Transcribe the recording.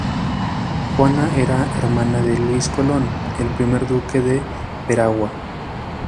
Juana era hermana de Luis Colón, el primer Duque de Veragua.